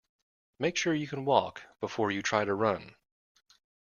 Make sure you can walk before you try to run.